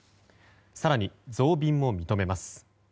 更に、増便も認めます。